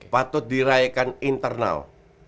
patut dirayakan internal